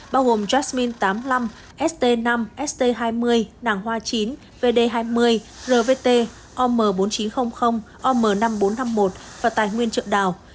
bao gồm jasmine tám mươi năm st năm st hai mươi nàng hoa chín vd hai mươi rvt om bốn nghìn chín trăm linh om năm nghìn bốn trăm năm mươi một và tài nguyên trượng đào